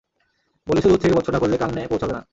বলেছ–দূর থেকে ভর্ৎসনা করলে কানে পৌঁছোবে না।